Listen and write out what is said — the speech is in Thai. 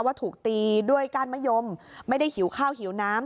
ว่าถูกตีด้วยก้านมะยมไม่ได้หิวข้าวหิวน้ำ